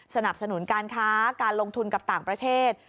สนับสนุนการค้าการลงทุนกับต่างประเทศ